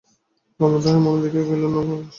কমলা তাহাকে মৌন দেখিয়া কহিল, ওর নাম উমেশ।